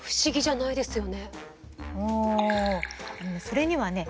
それにはね